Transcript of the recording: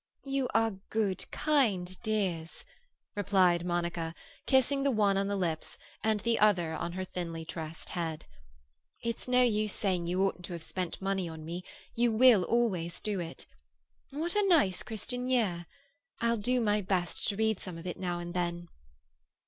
"You are good, kind dears!" replied Monica, kissing the one on the lips and the other on her thinly tressed head. "It's no use saying you oughtn't to have spent money on me; you will always do it. What a nice "Christian Year"! I'll do my best to read some of it now and then."